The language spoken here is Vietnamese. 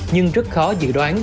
nhưng rất khó dự đoán